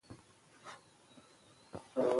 قانوني او مسلکي قراردادونه ترسره کړي